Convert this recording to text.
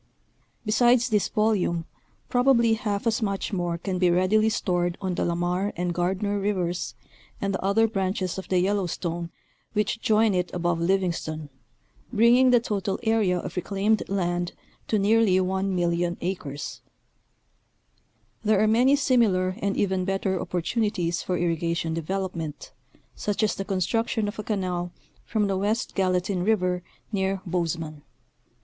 Besides this volume probably half as much more can be readily stored on the Lamar and Gardner Rivers, and the other branches of the Yellowstone which join it above Livingston, bringing the total area of reclaimed land to nearly 1,000,000 acres. 228 National Geographic Magazine. There are many similar and even better opportunities for irrigation development, such as the construction of a canal from the West Gallatin River near Bozeman.